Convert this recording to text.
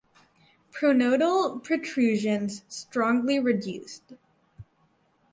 Pronotal protrusions strongly reduced.